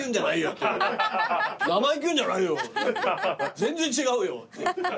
「全然違うよ」って。